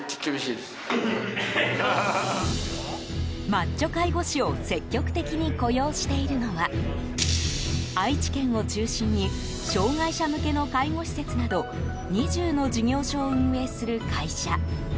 マッチョ介護士を積極的に雇用しているのは愛知県を中心に障害者向けの介護施設など２０の事業所を運営する会社。